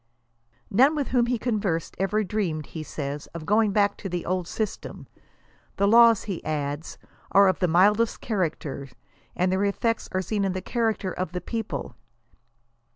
None with whom he conversed, ever dreamed he says, of going back to the old system. The laws, he adds, are of the mildest character, and their effects are seen in the character of the people.